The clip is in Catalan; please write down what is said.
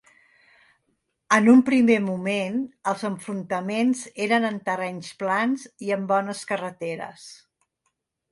En un primer moment els enfrontaments eren en terrenys plans i amb bones carreteres.